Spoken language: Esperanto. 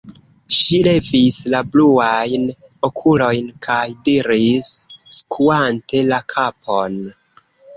Ŝi levis la bluajn okulojn kaj diris, skuante la kapon: